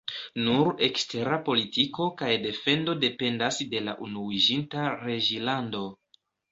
Nur ekstera politiko kaj defendo dependas de la Unuiĝinta Reĝlando.